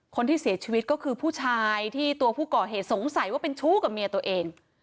คนที่เสียชีวิตก็คือผู้ชายที่ตัวผู้ก่อเหตุสงสัยว่าเป็นชู้กับเมียตัวเอง